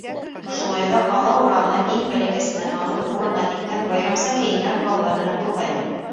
Шулай ҙа ҡала урамы иң бәләкәсенән алып ҙурына тиклем байрамса кейенгән балалар менән тулғайны.